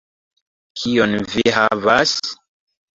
Kion vi havas?